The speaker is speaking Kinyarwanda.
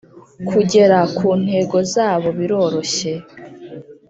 Kugera ku ntego zabo biroroshye